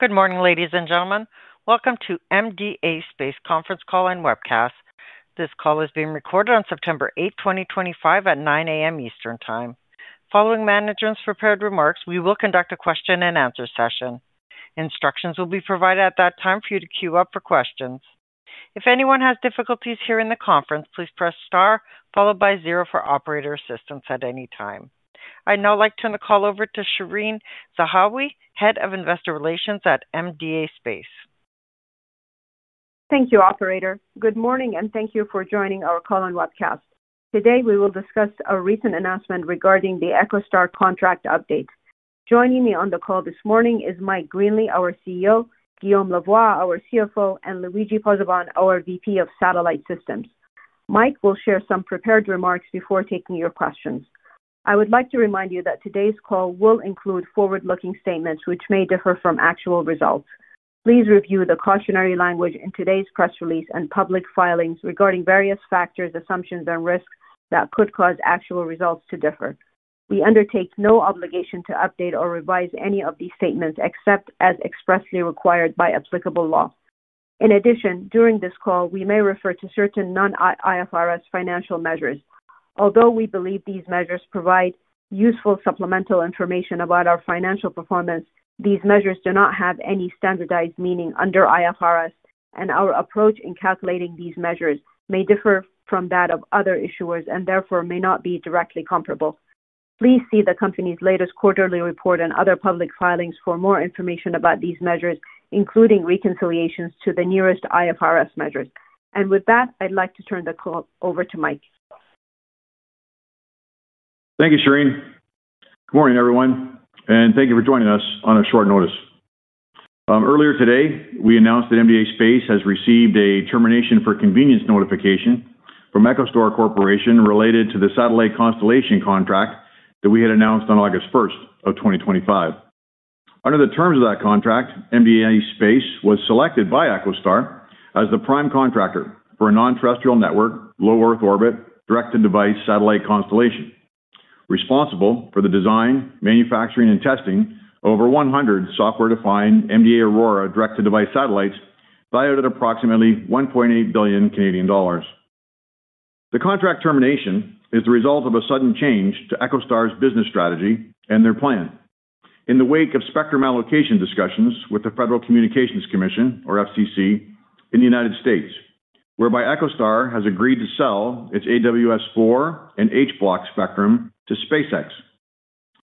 Good morning, ladies and gentlemen. Welcome to MDA Space Conference Call and Webcast. This call is being recorded on September 8, 2025, at 9:00 A.M. Eastern Time. Following management's prepared remarks, we will conduct a question and answer session. Instructions will be provided at that time for you to queue up for questions. If anyone has difficulties hearing the conference, please press star, followed by zero for operator assistance at any time. I'd now like to turn the call over to Shereen Zahawi, Head of Investor Relations at MDA Space. Thank you, Operator. Good morning, and thank you for joining our call and webcast. Today, we will discuss a recent announcement regarding the EchoStar contract update. Joining me on the call this morning is Mike Greenley, our CEO, Guillaume Lavoie, our CFO, and Luigi Pozzebon, our VP of Satellite Systems. Mike will share some prepared remarks before taking your questions. I would like to remind you that today's call will include forward-looking statements, which may differ from actual results. Please review the cautionary language in today's press release and public filings regarding various factors, assumptions, and risks that could cause actual results to differ. We undertake no obligation to update or revise any of these statements except as expressly required by applicable law. In addition, during this call, we may refer to certain non-IFRS financial measures. Although we believe these measures provide useful supplemental information about our financial performance, these measures do not have any standardized meaning under IFRS, and our approach in calculating these measures may differ from that of other issuers and therefore may not be directly comparable. Please see the company's latest quarterly report and other public filings for more information about these measures, including reconciliations to the nearest IFRS measures. With that, I'd like to turn the call over to Mike. Thank you, Shereen. Good morning, everyone, and thank you for joining us on short notice. Earlier today, we announced that MDA Space has received a termination-for-convenience notification from EchoStar Corporation related to the satellite constellation contract that we had announced on August 1st of 2025. Under the terms of that contract, MDA Space was selected by EchoStar as the prime contractor for a non-terrestrial network, low Earth orbit, direct-to-device satellite constellation, responsible for the design, manufacturing, and testing of over 100 software-defined MDA AURORA direct-to-device satellites valued at approximately 1.8 billion Canadian dollars. The contract termination is the result of a sudden change to EchoStar's business strategy and their plan in the wake of spectrum allocation discussions with the Federal Communications Commission, or FCC, in the U.S., whereby EchoStar has agreed to sell its AWS-4 and H-Block spectrum to SpaceX.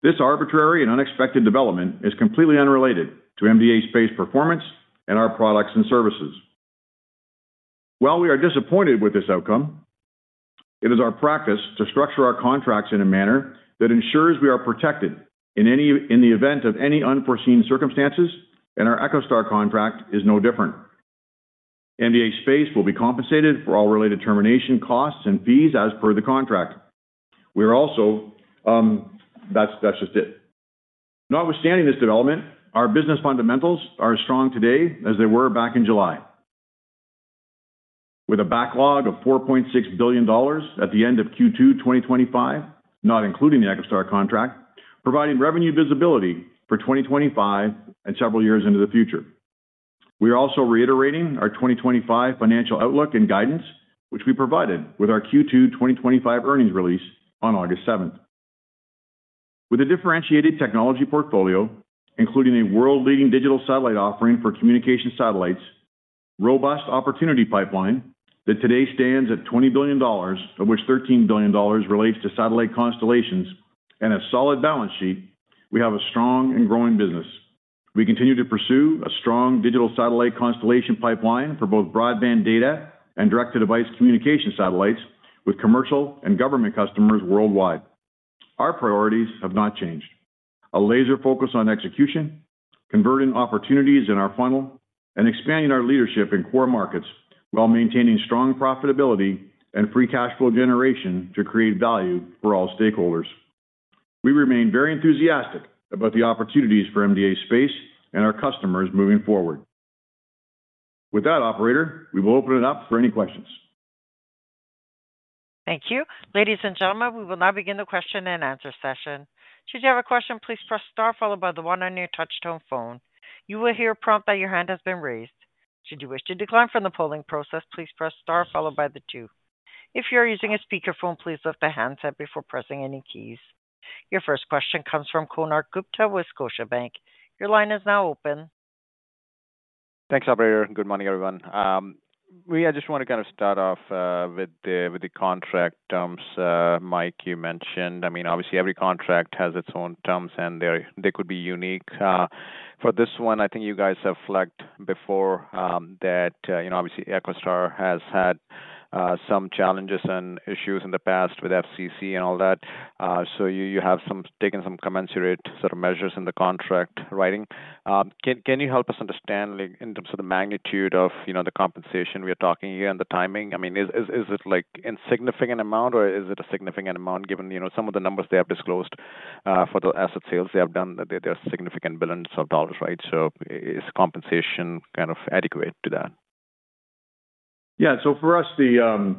This arbitrary and unexpected development is completely unrelated to MDA Space's performance and our products and services. While we are disappointed with this outcome, it is our practice to structure our contracts in a manner that ensures we are protected in the event of any unforeseen circumstances, and our EchoStar contract is no different. MDA Space will be compensated for all related termination costs and fees as per the contract. Notwithstanding this development, our business fundamentals are as strong today as they were back in July, with a backlog of 4.6 billion dollars at the end of Q2 2025, not including the EchoStar contract, providing revenue visibility for 2025 and several years into the future. We are also reiterating our 2025 financial outlook and guidance, which we provided with our Q2 2025 earnings release on August 7th. With a differentiated technology portfolio, including a world-leading digital satellite offering for communication satellites, a robust opportunity pipeline that today stands at 20 billion dollars, of which 13 billion dollars relates to satellite constellations, and a solid balance sheet, we have a strong and growing business. We continue to pursue a strong digital satellite constellation pipeline for both broadband data and direct-to-device communication satellites with commercial and government customers worldwide. Our priorities have not changed: a laser focus on execution, converting opportunities in our funnel, and expanding our leadership in core markets while maintaining strong profitability and free cash flow generation to create value for all stakeholders. We remain very enthusiastic about the opportunities for MDA Space and our customers moving forward. With that, Operator, we will open it up for any questions. Thank you. Ladies and gentlemen, we will now begin the question and answer session. Should you have a question, please press star, followed by the one on your touch-tone phone. You will hear a prompt that your hand has been raised. Should you wish to decline from the polling process, please press star, followed by the two. If you are using a speaker phone, please lift the handset before pressing any keys. Your first question comes from Konark Gupta, Wisconsin. Your line is now open. Thanks, Operator. Good morning, everyone. I just want to kind of start off with the contract terms. Mike, you mentioned, obviously every contract has its own terms and they could be unique. For this one, I think you guys have flagged before that, obviously EchoStar has had some challenges and issues in the past with the FCC and all that. You have taken some commensurate sort of measures in the contract writing. Can you help us understand, in terms of the magnitude of the compensation we are talking here and the timing? Is it an insignificant amount or is it a significant amount given some of the numbers they have disclosed for the asset sales they have done? They're significant billions of dollars, right? Is compensation kind of adequate to that? Yeah, for us, the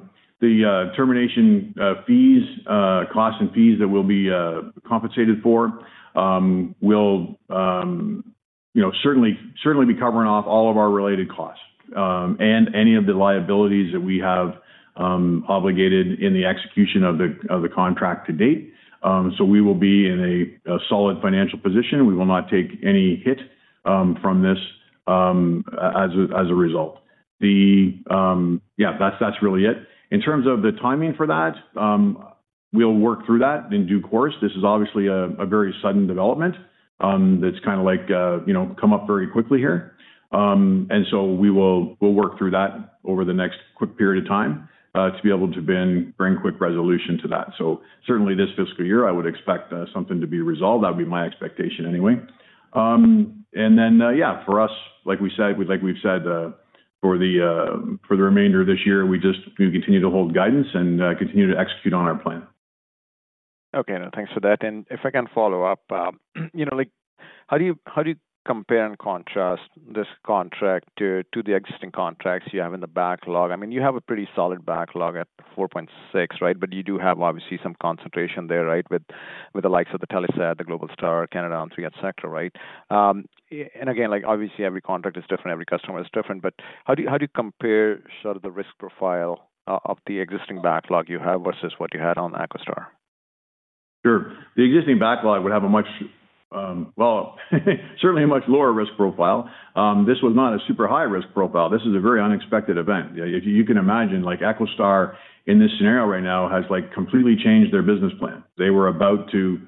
termination fees, costs and fees that will be compensated for will certainly be covering off all of our related costs and any of the liabilities that we have obligated in the execution of the contract to date. We will be in a solid financial position. We will not take any hit from this as a result. That's really it. In terms of the timing for that, we'll work through that in due course. This is obviously a very sudden development that's kind of, you know, come up very quickly here. We will work through that over the next quick period of time to be able to bring quick resolution to that. Certainly this fiscal year, I would expect something to be resolved. That would be my expectation anyway. For us, like we've said for the remainder of this year, we just continue to hold guidance and continue to execute on our plan. Okay, thanks for that. If I can follow up, how do you compare and contrast this contract to the existing contracts you have in the backlog? You have a pretty solid backlog at 4.6 billion, right? You do have obviously some concentration there with the likes of Telesat, Globalstar, Canadian government, et cetera, right? Obviously every contract is different, every customer is different. How do you compare the risk profile of the existing backlog you have versus what you had on EchoStar? Sure. The existing backlog would have a much, well, certainly a much lower risk profile. This was not a super high risk profile. This is a very unexpected event. If you can imagine, like, EchoStar in this scenario right now has completely changed their business plan. They were about to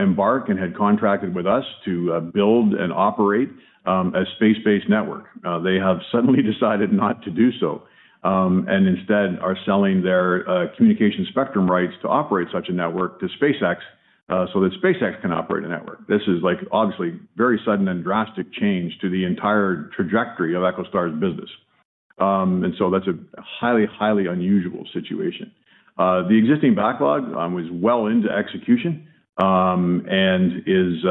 embark and had contracted with us to build and operate a space-based network. They have suddenly decided not to do so and instead are selling their communication spectrum rights to operate such a network to SpaceX so that SpaceX can operate a network. This is obviously a very sudden and drastic change to the entire trajectory of EchoStar's business. That's a highly, highly unusual situation. The existing backlog was well into execution and is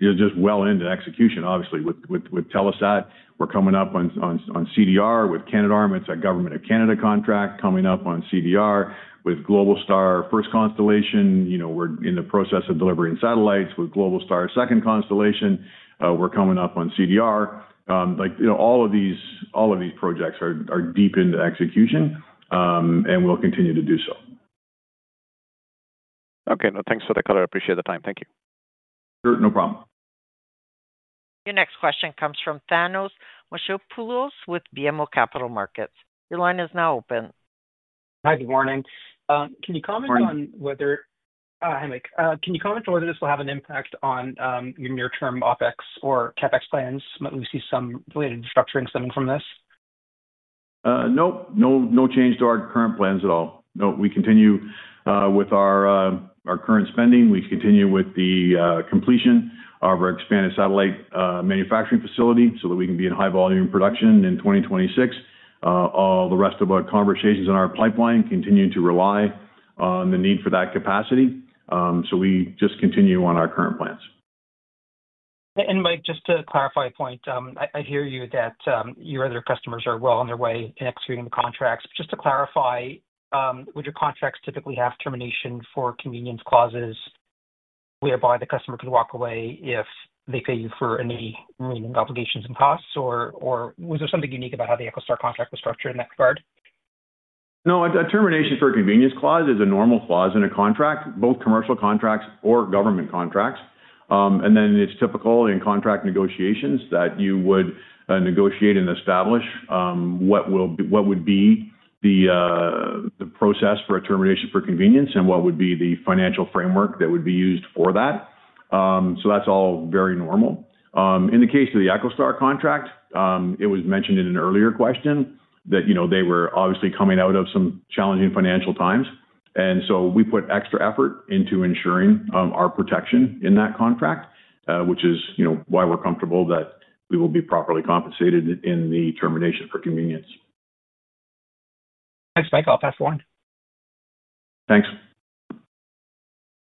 just well into execution. Obviously, with Telesat, we're coming up on CDR, with Canadarm, it's a Government of Canada contract coming up on CDR, with Globalstar first constellation, we're in the process of delivering satellites, with Globalstar second constellation, we're coming up on CDR. All of these projects are deep into execution and will continue to do so. Okay, no, thanks for the call. I appreciate the time. Thank you. Sure, no problem. Your next question comes from Thanos Moschopoulos with BMO Capital Markets. Your line is now open. Hi, good morning. Can you comment on whether, hey Mike, can you comment on whether this will have an impact on your near-term OpEx or CapEx plans? We see some related structuring stemming from this. Nope, no change to our current plans at all. No, we continue with our current spending. We continue with the completion of our expanded satellite manufacturing facility, so that we can be in high volume production in 2026. All the rest of our conversations in our pipeline continue to rely on the need for that capacity. We just continue on our current plans. Mike, just to clarify a point, I hear you that your other customers are well on their way in executing the contracts. Just to clarify, would your contracts typically have termination-for-convenience clauses, whereby the customer could walk away if they pay you for any remaining obligations and costs, or was there something unique about how the EchoStar contract was structured in that regard? A termination-for-convenience clause is a normal clause in a contract, both commercial contracts or government contracts. It's typical in contract negotiations that you would negotiate and establish what would be the process for a termination for convenience and what would be the financial framework that would be used for that. That's all very normal. In the case of the EchoStar contract, it was mentioned in an earlier question that they were obviously coming out of some challenging financial times. We put extra effort into ensuring our protection in that contract, which is why we're comfortable that we will be properly compensated in the termination for convenience. Thanks, Mike. I'll pass the line. Thanks.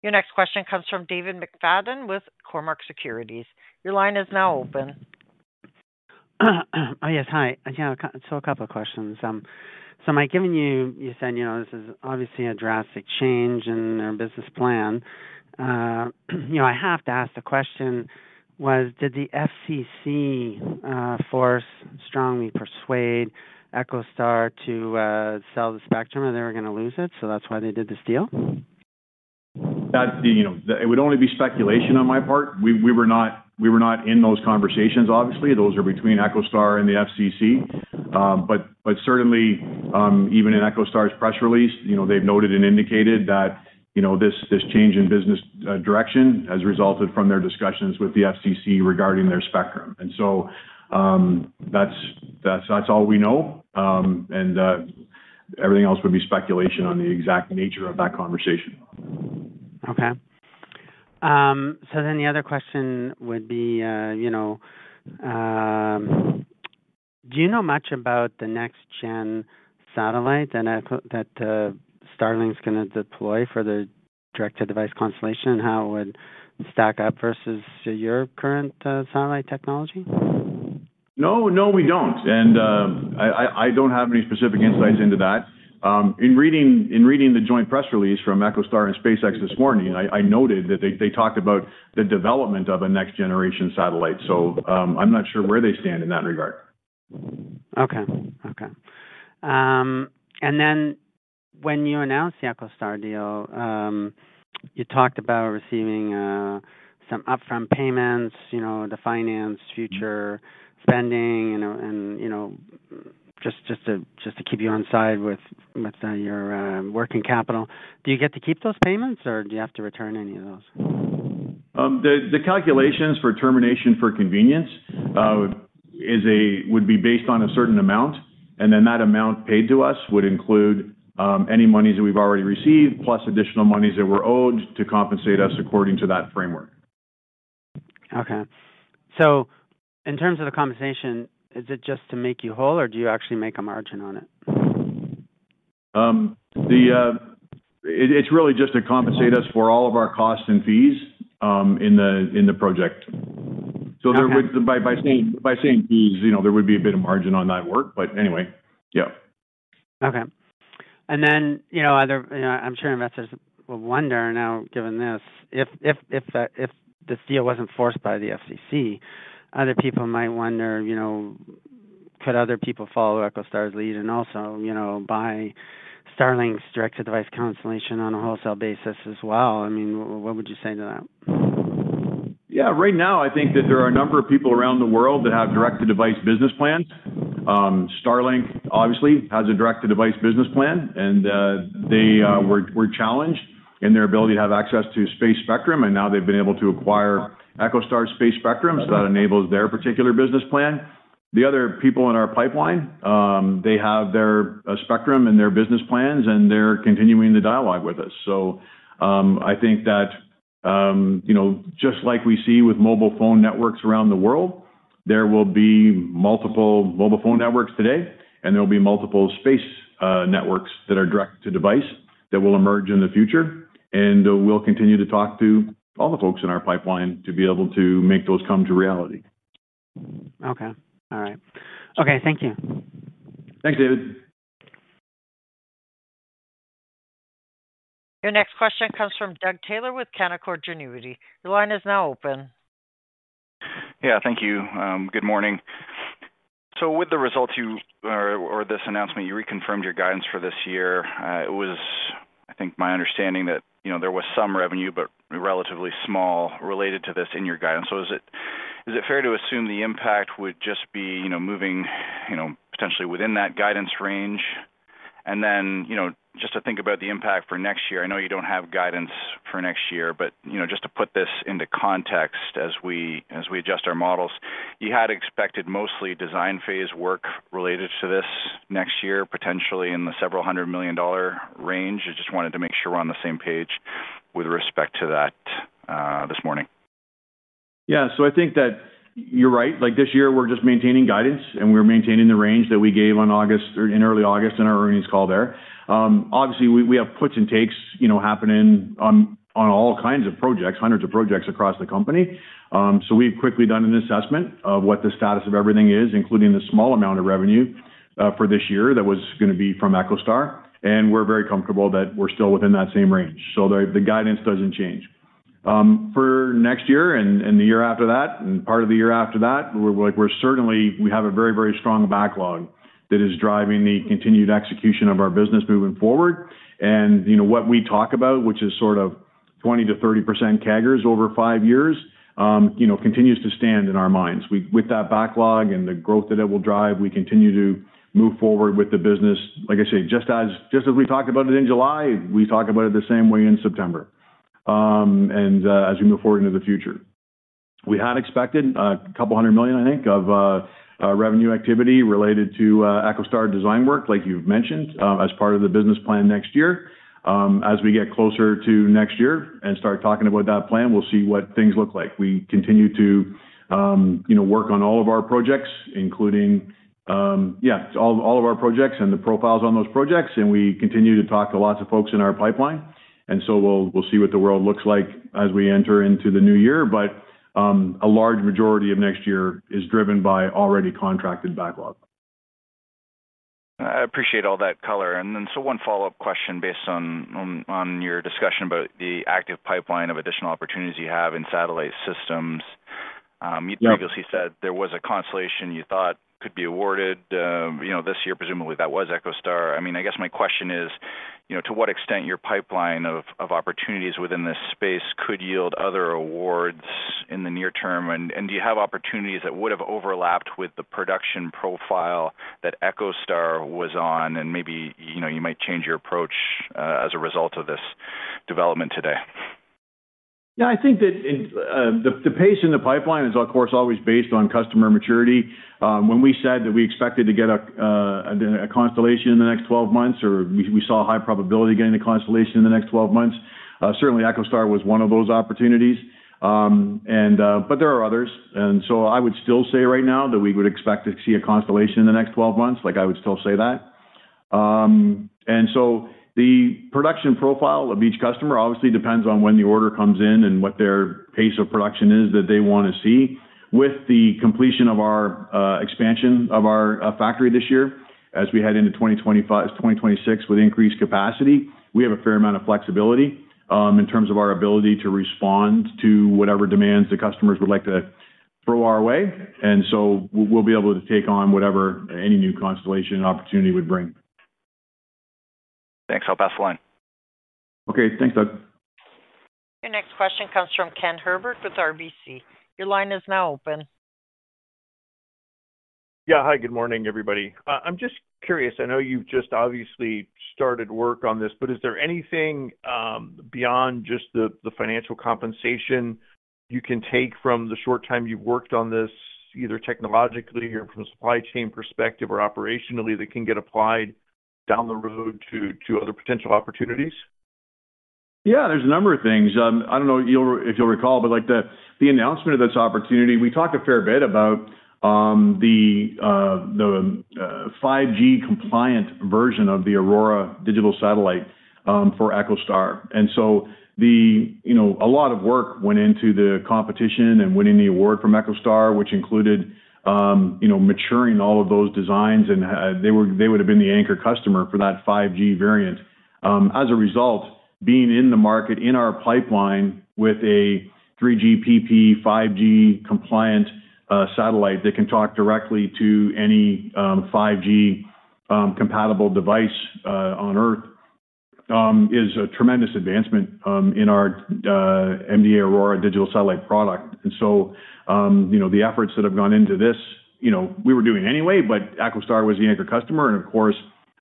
Your next question comes from David McFadgen with Cormark Securities. Your line is now open. Yes, hi. A couple of questions. Mike, given you said this is obviously a drastic change in their business plan, I have to ask the question, did the FCC force or strongly persuade EchoStar to sell the spectrum or they were going to lose it? That's why they did this deal? It would only be speculation on my part. We were not in those conversations, obviously. Those are between EchoStar and the FCC. Certainly, even in EchoStar's press release, they've noted and indicated that this change in business direction has resulted from their discussions with the FCC regarding their spectrum. That's all we know. Everything else would be speculation on the exact nature of that conversation. Okay. The other question would be, you know, do you know much about the next-gen satellite that Starlink's going to deploy for the direct-to-device constellation and how it would stack up versus your current satellite technology? No, we don't. I don't have any specific insights into that. In reading the joint press release from EchoStar and SpaceX this morning, I noted that they talked about the development of a next-generation satellite. I'm not sure where they stand in that regard. Okay. When you announced the EchoStar deal, you talked about receiving some upfront payments, you know, the financed future spending, and you know, just to keep you on side with your working capital. Do you get to keep those payments or do you have to return any of those? The calculations for termination-for-convenience would be based on a certain amount, and that amount paid to us would include any monies that we've already received, plus additional monies that were owed to compensate us according to that framework. In terms of the compensation, is it just to make you whole or do you actually make a margin on it? It's really just to compensate us for all of our costs and fees in the project. By saying fees, you know, there would be a bit of margin on that work, but anyway, yeah. Okay. I'm sure investors will wonder now, given this, if this deal wasn't forced by the FCC, other people might wonder, could other people follow EchoStar's lead and also buy Starlink's direct-to-device constellation on a wholesale basis as well? I mean, what would you say to that? Yeah, right now I think that there are a number of people around the world that have direct-to-device business plans. Starlink, obviously, has a direct-to-device business plan, and they were challenged in their ability to have access to space spectrum, and now they've been able to acquire EchoStar's space spectrum, which enables their particular business plan. The other people in our pipeline have their spectrum and their business plans, and they're continuing the dialogue with us. I think that, just like we see with mobile phone networks around the world, there will be multiple mobile phone networks today, and there will be multiple space networks that are direct-to-device that will emerge in the future. We'll continue to talk to all the folks in our pipeline to be able to make those come to reality. Okay. All right. Okay, thank you. Thanks, David. Your next question comes from Doug Taylor with Canaccord Genuity. Your line is now open. Thank you. Good morning. With the results or this announcement, you reconfirmed your guidance for this year. It was, I think, my understanding that there was some revenue, but relatively small related to this in your guidance. Is it fair to assume the impact would just be moving potentially within that guidance range? Just to think about the impact for next year, I know you don't have guidance for next year, but just to put this into context as we adjust our models, you had expected mostly design phase work related to this next year, potentially in the several hundred million dollar range. I just wanted to make sure we're on the same page with respect to that this morning. Yeah, so I think that you're right. This year, we're just maintaining guidance, and we're maintaining the range that we gave in August, in early August in our earnings call there. Obviously, we have puts and takes happening on all kinds of projects, hundreds of projects across the company. We've quickly done an assessment of what the status of everything is, including the small amount of revenue for this year that was going to be from EchoStar. We're very comfortable that we're still within that same range. The guidance doesn't change. For next year and the year after that, and part of the year after that, we certainly have a very, very strong backlog that is driving the continued execution of our business moving forward. What we talk about, which is sort of 20%-30% CAGRs over five years, continues to stand in our minds. With that backlog and the growth that it will drive, we continue to move forward with the business. Like I say, just as we talked about it in July, we talk about it the same way in September. As we move forward into the future, we had expected a couple hundred million, I think, of revenue activity related to EchoStar design work, like you've mentioned, as part of the business plan next year. As we get closer to next year and start talking about that plan, we'll see what things look like. We continue to work on all of our projects, including all of our projects and the profiles on those projects. We continue to talk to lots of folks in our pipeline. We'll see what the world looks like as we enter into the new year. A large majority of next year is driven by already contracted backlog. I appreciate all that color. One follow-up question based on your discussion about the active pipeline of additional opportunities you have in satellite systems. You previously said there was a constellation you thought could be awarded this year, presumably that was EchoStar. My question is, to what extent your pipeline of opportunities within this space could yield other awards in the near term? Do you have opportunities that would have overlapped with the production profile that EchoStar was on? You might change your approach as a result of this development today. Yeah, I think that the pace in the pipeline is, of course, always based on customer maturity. When we said that we expected to get a constellation in the next 12 months, or we saw a high probability of getting a constellation in the next 12 months, certainly EchoStar was one of those opportunities. There are others. I would still say right now that we would expect to see a constellation in the next 12 months. I would still say that. The production profile of each customer obviously depends on when the order comes in and what their pace of production is that they want to see. With the completion of our expansion of our factory this year, as we head into 2026 with increased capacity, we have a fair amount of flexibility in terms of our ability to respond to whatever demands the customers would like to throw our way. We'll be able to take on whatever any new constellation and opportunity would bring. Thanks. I'll pass the line. Okay, thanks, Doug. Your next question comes from Ken Herbert with RBC. Your line is now open. Yeah, hi, good morning, everybody. I'm just curious, I know you've just obviously started work on this, but is there anything beyond just the financial compensation you can take from the short time you've worked on this, either technologically or from a supply chain perspective or operationally, that can get applied down the road to other potential opportunities? Yeah, there's a number of things. I don't know if you'll recall, but like the announcement of this opportunity, we talked a fair bit about the 5G-compliant version of the AURORA digital satellite for EchoStar. A lot of work went into the competition and winning the award from EchoStar, which included maturing all of those designs, and they would have been the anchor customer for that 5G variant. As a result, being in the market in our pipeline with a 3GPP 5G-compliant satellite that can talk directly to any 5G-compatible device on Earth is a tremendous advancement in our MDA AURORA digital satellite product. The efforts that have gone into this, we were doing anyway, but EchoStar was the anchor customer, and of course,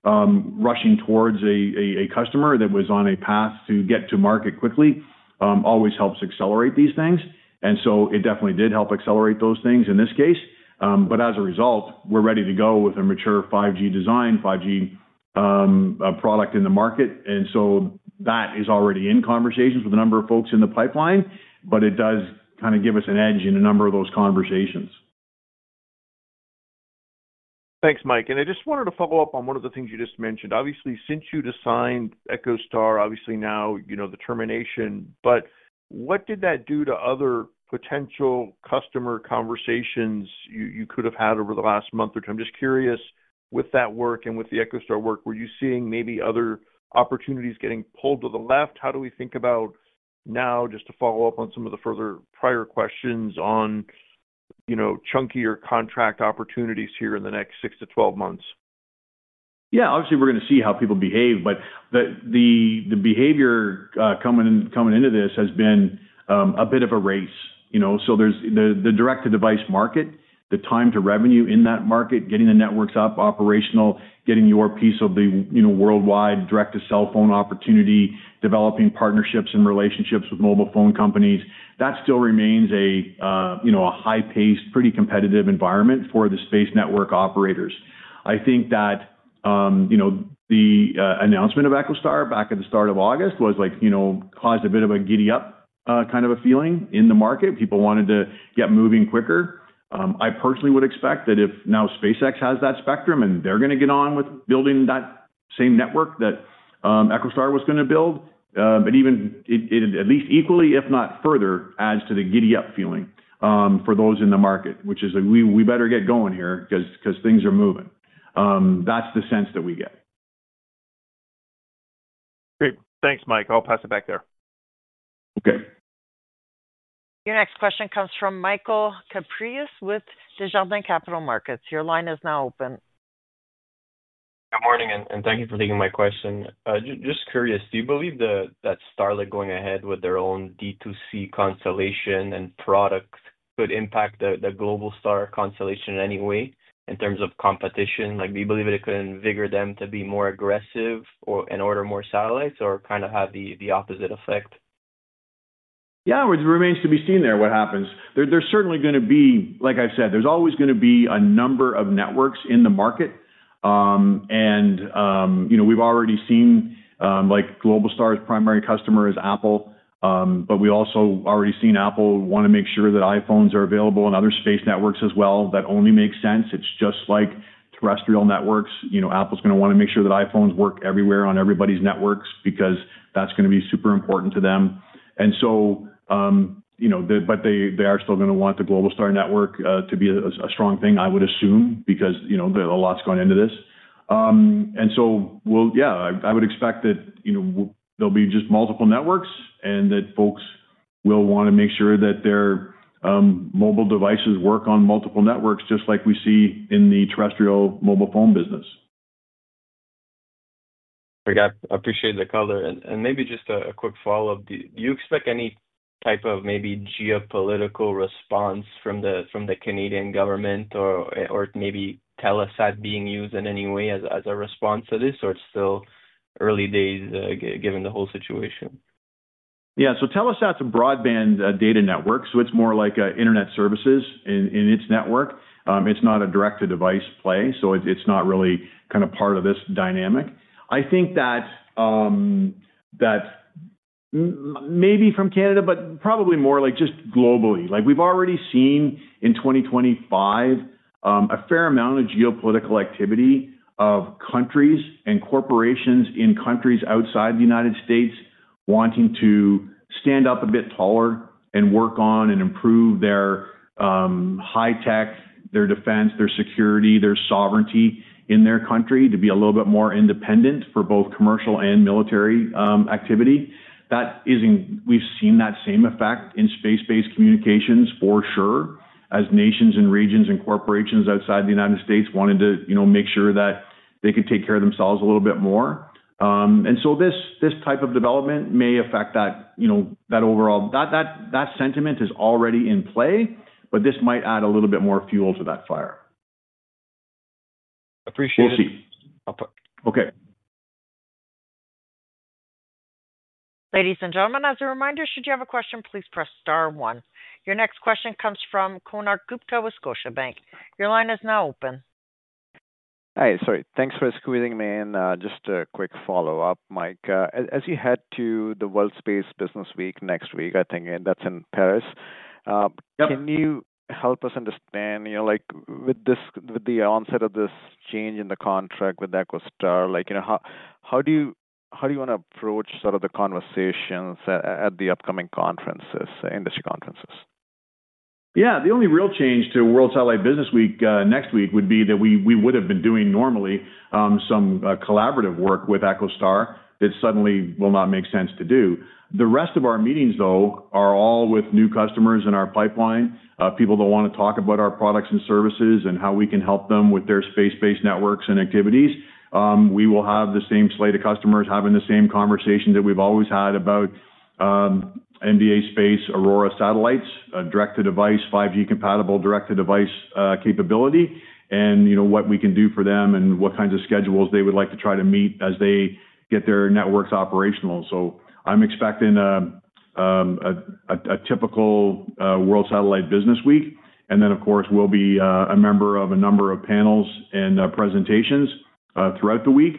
rushing towards a customer that was on a path to get to market quickly always helps accelerate these things. It definitely did help accelerate those things in this case. As a result, we're ready to go with a mature 5G design, 5G product in the market. That is already in conversations with a number of folks in the pipeline, but it does kind of give us an edge in a number of those conversations. Thanks, Mike. I just wanted to follow up on one of the things you just mentioned. Obviously, since you'd assigned EchoStar, obviously now, you know, the termination, what did that do to other potential customer conversations you could have had over the last month or two? I'm just curious, with that work and with the EchoStar work, were you seeing maybe other opportunities getting pulled to the left? How do we think about now, just to follow up on some of the further prior questions on, you know, chunkier contract opportunities here in the next 6-12 months? Yeah, obviously we're going to see how people behave, but the behavior coming into this has been a bit of a race, you know. There's the direct-to-device market, the time to revenue in that market, getting the networks operational, getting your piece of the worldwide direct-to-cell phone opportunity, developing partnerships and relationships with mobile phone companies. That still remains a high-paced, pretty competitive environment for the space network operators. I think that the announcement of EchoStar back at the start of August was like, you know, caused a bit of a giddy-up kind of a feeling in the market. People wanted to get moving quicker. I personally would expect that if now SpaceX has that spectrum and they're going to get on with building that same network that EchoStar was going to build, it even at least equally, if not further, adds to the giddy-up feeling for those in the market, which is like, we better get going here because things are moving. That's the sense that we get. Great, thanks, Mike. I'll pass it back there. Okay. Your next question comes from Michael Kypreos with Desjardins Capital Markets. Your line is now open. Good morning, and thank you for taking my question. Just curious, do you believe that Starlink going ahead with their own direct-to-device constellation and product could impact the Globalstar constellation in any way in terms of competition? Do you believe it could invigorate them to be more aggressive in order to have more satellites or kind of have the opposite effect? Yeah, it remains to be seen there what happens. There's certainly going to be, like I've said, there's always going to be a number of networks in the market. You know, we've already seen, like Globalstar's primary customer is Apple, but we've also already seen Apple want to make sure that iPhones are available in other space networks as well. That only makes sense. It's just like terrestrial networks, you know, Apple's going to want to make sure that iPhones work everywhere on everybody's networks because that's going to be super important to them. They are still going to want the Globalstar network to be a strong thing, I would assume, because, you know, there's a lot going into this. I would expect that there'll be just multiple networks and that folks will want to make sure that their mobile devices work on multiple networks, just like we see in the terrestrial mobile phone business. Okay, I appreciate the color. Maybe just a quick follow-up. Do you expect any type of maybe geopolitical response from the Canadian government or maybe Telesat being used in any way as a response to this, or it's still early days given the whole situation? Yeah, so Telesat's a broadband data network, so it's more like internet services in its network. It's not a direct-to-device play, so it's not really kind of part of this dynamic. I think that maybe from Canada, but probably more like just globally, like we've already seen in 2025 a fair amount of geopolitical activity of countries and corporations in countries outside the U.S. wanting to stand up a bit taller and work on and improve their high tech, their defense, their security, their sovereignty in their country to be a little bit more independent for both commercial and military activity. That isn't, we've seen that same effect in space-based communications for sure, as nations and regions and corporations outside the U.S. wanted to, you know, make sure that they could take care of themselves a little bit more. This type of development may affect that, you know, that overall, that sentiment is already in play, but this might add a little bit more fuel to that fire. Appreciate it. We'll see. Okay. Ladies and gentlemen, as a reminder, should you have a question, please press star one. Your next question comes from Konark Gupta with Scotiabank. Your line is now open. Hi, sorry, thanks for squeezing me in. Just a quick follow-up, Mike. As you head to the World Space Business Week next week, I think, and that's in Paris. Can you help us understand, with the onset of this change in the contract with EchoStar, how do you want to approach the conversations at the upcoming conferences, industry conferences? Yeah, the only real change to World Satellite Business Week next week would be that we would have been doing normally some collaborative work with EchoStar that suddenly will not make sense to do. The rest of our meetings, though, are all with new customers in our pipeline, people that want to talk about our products and services and how we can help them with their space-based networks and activities. We will have the same slate of customers having the same conversations that we've always had about MDA Space AURORA satellites, direct-to-device, 5G-compliant direct-to-device capability, and, you know, what we can do for them and what kinds of schedules they would like to try to meet as they get their networks operational. I'm expecting a typical World Satellite Business Week. Of course, we'll be a member of a number of panels and presentations throughout the week.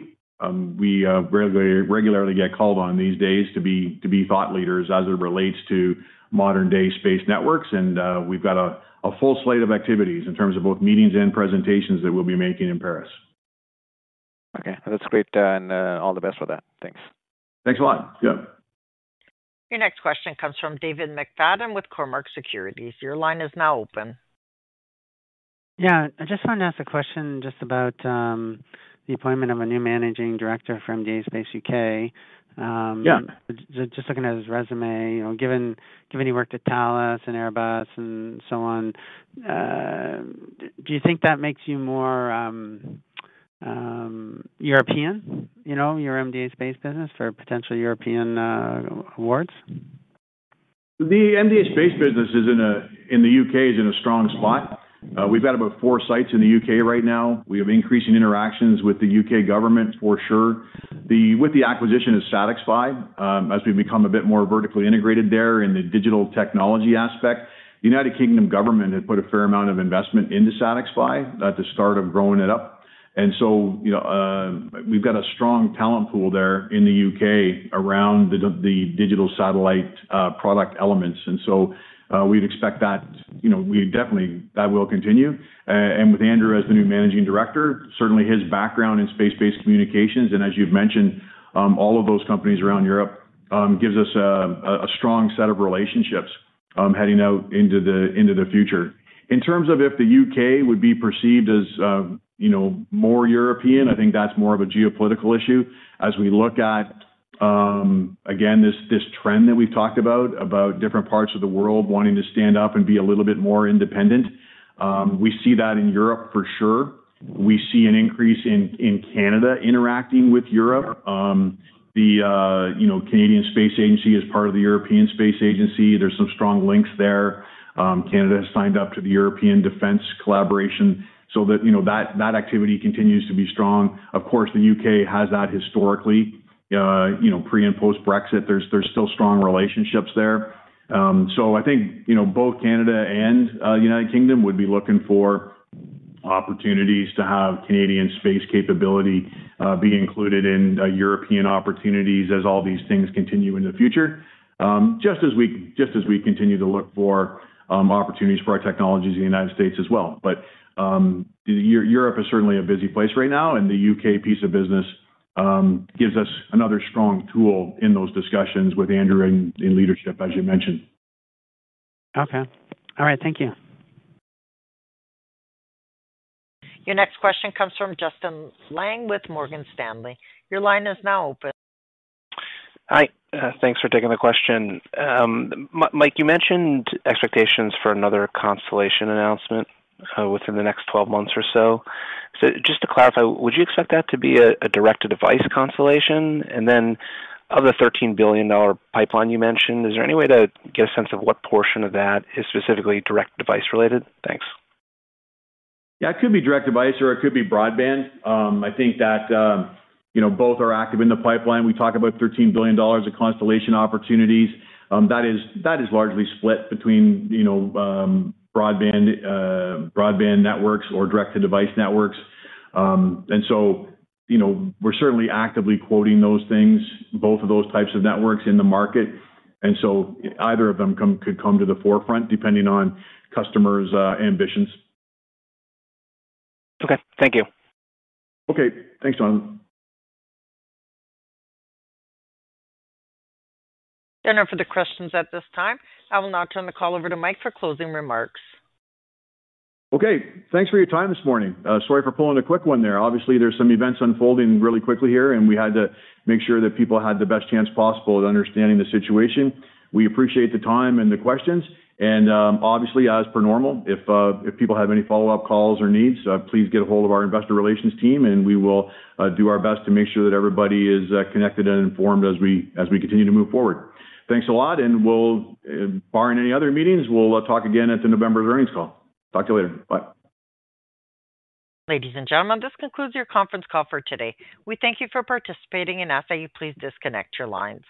We regularly get called on these days to be thought leaders as it relates to modern-day space networks, and we've got a full slate of activities in terms of both meetings and presentations that we'll be making in Paris. Okay, that's great. All the best with that. Thanks. Thanks a lot. Yeah. Your next question comes from David McFadgen with Cormark Securities. Your line is now open. I just wanted to ask a question about the appointment of a new Managing Director for MDA Space U.K. Just looking at his resume, given you worked at Thales and Airbus and so on, do you think that makes you more European, your MDA Space business, for potential European awards? The MDA Space business in the U.K. is in a strong spot. We've got about four sites in the U.K. right now. We have increasing interactions with the U.K. government for sure. With the acquisition of SatixFy, as we've become a bit more vertically integrated there in the digital technology aspect, the United Kingdom government had put a fair amount of investment into SatixFy at the start of growing it up. We've got a strong talent pool there in the U.K. around the digital satellite product elements. We'd expect that will continue. With Andrew as the new Managing Director, certainly his background in space-based communications, and as you've mentioned, all of those companies around Europe gives us a strong set of relationships heading out into the future. In terms of if the U.K. would be perceived as more European, I think that's more of a geopolitical issue. As we look at this trend that we've talked about, about different parts of the world wanting to stand up and be a little bit more independent, we see that in Europe for sure. We see an increase in Canada interacting with Europe. The Canadian Space Agency is part of the European Space Agency. There's some strong links there. Canada has signed up to the European defense collaboration so that activity continues to be strong. Of course, the U.K. has that historically, pre and post-Brexit. There's still strong relationships there. I think both Canada and the United Kingdom would be looking for opportunities to have Canadian space capability be included in European opportunities as all these things continue in the future, just as we continue to look for opportunities for our technologies in the United States as well. Europe is certainly a busy place right now, and the U.K. piece of business gives us another strong tool in those discussions with Andrew in leadership, as you mentioned. Okay, all right, thank you. Your next question comes from Justin Lang with Morgan Stanley. Your line is now open. Hi, thanks for taking the question. Mike, you mentioned expectations for another constellation announcement within the next 12 months or so. Just to clarify, would you expect that to be a direct-to-device constellation? Of the 13 billion dollar pipeline you mentioned, is there any way to get a sense of what portion of that is specifically direct-to-device related? Thanks. Yeah, it could be direct-to-device or it could be broadband. I think that both are active in the pipeline. We talk about 13 billion dollars of constellation opportunities. That is largely split between broadband networks or direct-to-device networks. We’re certainly actively quoting those things, both of those types of networks in the market. Either of them could come to the forefront depending on customers' ambitions. Okay, thank you. Okay, thanks, Justin. There are no further questions at this time. I will now turn the call over to Mike for closing remarks. Okay, thanks for your time this morning. Sorry for pulling a quick one there. Obviously, there are some events unfolding really quickly here, and we had to make sure that people had the best chance possible at understanding the situation. We appreciate the time and the questions. Obviously, as per normal, if people have any follow-up calls or needs, please get a hold of our Investor Relations team, and we will do our best to make sure that everybody is connected and informed as we continue to move forward. Thanks a lot, and barring any other meetings, we'll talk again at the November earnings call. Talk to you later. Bye. Ladies and gentlemen, this concludes your conference call for today. We thank you for participating and ask that you please disconnect your lines.